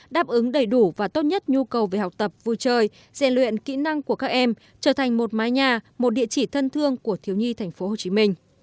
đáp ứng đầy đủ và tốt nhất nhu cầu về học tập vui chơi giải luyện kỹ năng của các em trở thành một mái nhà một địa chỉ thân thương của thiếu nhi tp hcm